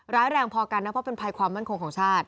ร้ายแรงพอกันนะเพราะเป็นภัยความมั่นคงของชาติ